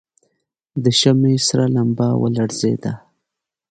د شمعې سره لمبه ولړزېده.